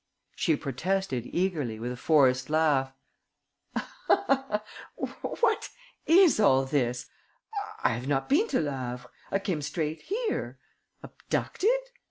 She protested eagerly, with a forced laugh: "What is all this? I have not been to Le Havre. I came straight here. Abducted?